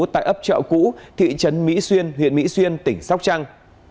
tại ấp chợ cũ thị trấn mỹ xuyên huyện mỹ xuyên tỉnh sóc trăng